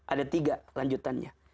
ada tiga lanjutannya